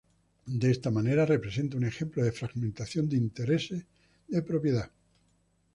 De esta manera, representa un ejemplo de fragmentación de intereses de propiedad.